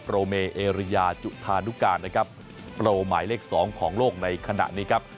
โรเมเอริยาจุธานุการนะครับโปรหมายเลขสองของโลกในขณะนี้ครับ